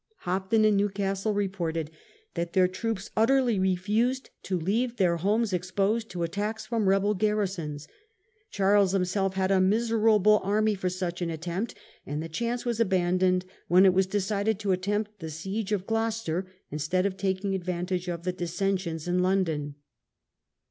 Hopton and Newcastle reported that their troops " utterly refused " to leave their homes exposed to attacks from rebel garrisons. Charles himself had a " miserable army " for such an attempt, and the chance was abandoned when it was decided to attempt the siege of Gloucester instead of taking advantage of the dissen sions in London.